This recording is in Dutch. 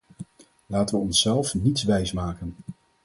Laten we onszelf niets wijsmaken.